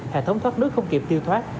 hệ thống thoát nước không kịp tiêu thoát